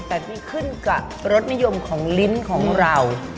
แต่ที่ขึ้นกับรสนิยมของลิ้นของเรา